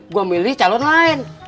gua milih calon lain